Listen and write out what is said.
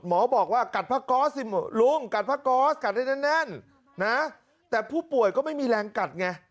หมอบอกว่ากัดพระกอสลุงกัดพระกอสกัดแน่นนะแต่ผู้ป่วยก็ไม่มีแรงกัดไง